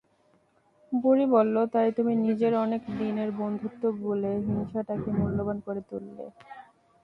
বুড়ি বলল, তাই তুমি নিজের অনেক দিনের বন্ধুত্ব ভুলে হিংসাটাকে মূল্যবান করে তুললে।